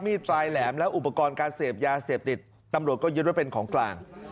ปลายแหลมและอุปกรณ์การเสพยาเสพติดตำรวจก็ยึดไว้เป็นของกลาง